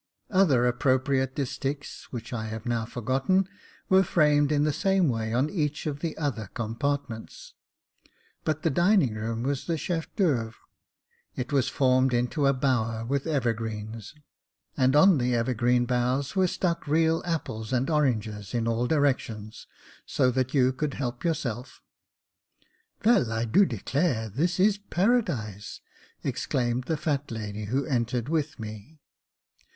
Other appropriate distichs, which I have now forgotten, were framed in the same way on each of the other com partments. But the dining room was the chef cToeuvre, It was formed into a bower, with evergreens, and on the Jacob Faithful 147 evergreen boughs were stuck real apples and oranges in all directions, so that you could help yourself. " Veil, I do declare, this is a paradise !" exclaimed the fat lady who entered with me.